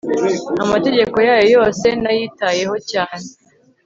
amategeko yayo yose nayitayeho cyane